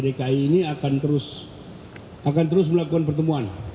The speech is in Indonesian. dki ini akan terus melakukan pertemuan